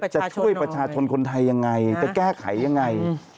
จะช่วยประชาชนคนไทยยังไงจะแก้ไขยังไง